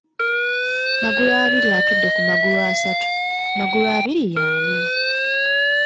Magulu abiri atudde ku “magulu” asatu. Magulu abiri ye ani?